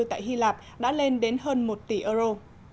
tại hy lạp đã lên đến hơn một tỷ euro